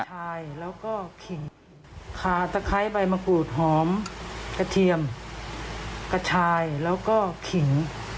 ผ้าตะไคร้ใบมะกรูดหอมกระเทียมกระชายแล้วก็ขิง